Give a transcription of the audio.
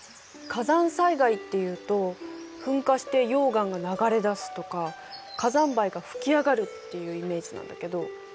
火山災害っていうと噴火して溶岩が流れ出すとか火山灰が吹き上がるっていうイメージなんだけど。